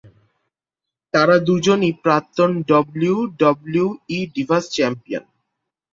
তারা দুজনই প্রাক্তন ডব্লিউডব্লিউই ডিভাস চ্যাম্পিয়ন।